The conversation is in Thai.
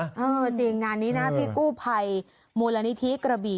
เออจริงงานนี้นะพี่กู้ภัยมูลนิธิกระบี่